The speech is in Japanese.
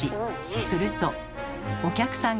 するとお客さんが殺到。